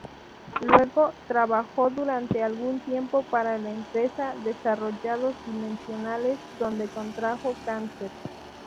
Luego, trabajó durante algún tiempo para la empresa Desarrollos Dimensionales, donde contrajo cáncer.